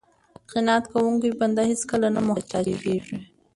قناعت کوونکی بنده هېڅکله نه محتاج کیږي.